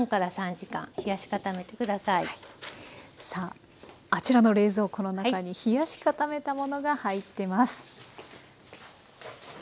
さああちらの冷蔵庫の中に冷やし固めたものが入ってます。